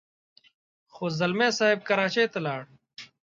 خو ځلمی صاحب کراچۍ ته ولاړ.